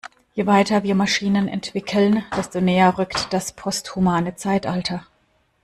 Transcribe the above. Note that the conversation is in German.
Je weiter wir Maschinen entwickeln, desto näher rückt das posthumane Zeitalter.